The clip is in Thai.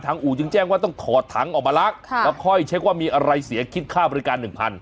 อู่จึงแจ้งว่าต้องถอดถังออกมาล้างแล้วค่อยเช็คว่ามีอะไรเสียคิดค่าบริการหนึ่งพัน